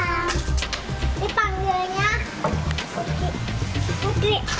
ini panggilnya putri